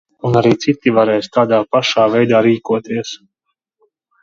Un arī citi varēs tādā pašā veidā rīkoties.